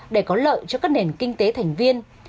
để có lợi cho các nền kinh tế thành viên